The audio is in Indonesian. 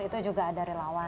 itu juga ada relawan